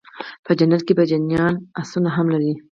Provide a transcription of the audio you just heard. په جنت کي به جنيان آسونه هم لري